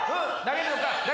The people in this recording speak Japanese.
投げるのか？